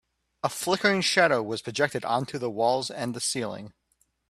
A flickering shadow was projected onto the walls and the ceiling.